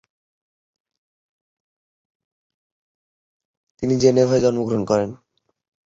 তিনি জেনেভায় জন্মগ্রহণ করেন।